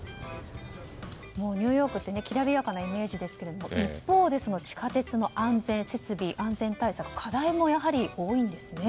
ニューヨークってきらびやかなイメージですが一方で地下鉄の設備の安全対策課題もやはり多いんですね。